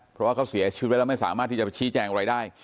เพราะว่าเขาเสียชีวิตไว้แล้วไม่สามารถที่จะชี้แจงอะไรได้